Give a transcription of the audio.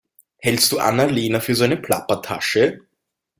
Hältst du Anna-Lena für so eine Plappertasche?